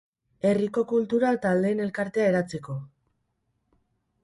Herriko kultura taldeen elkartea eratzeko.